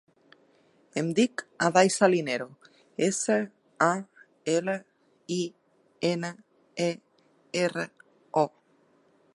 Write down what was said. Em dic Aday Salinero: essa, a, ela, i, ena, e, erra, o.